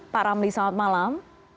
pak ramli selamat malam